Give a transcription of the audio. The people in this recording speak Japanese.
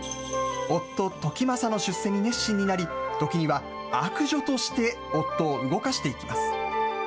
夫、時政の出世に熱心になり、時には、悪女として夫を動かしていきます。